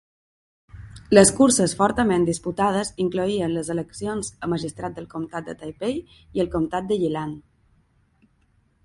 Les curses fortament disputades incloïen les eleccions a magistrat del Comtat de Taipei i el Comtat de Yilan.